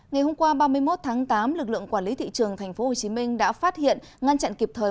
ngày hôm qua ba mươi một tháng tám lực lượng quản lý thị trường tp hcm đã phát hiện ngăn chặn kịp thời